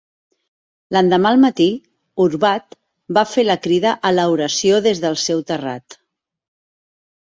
L'endemà al matí, Urwah va fer la crida a l'oració des del seu terrat.